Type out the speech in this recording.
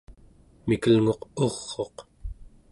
mikelnguq ur'uq